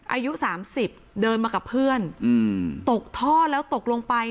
อายุสามสิบเดินมากับเพื่อนตกท่อแล้วตกลงไป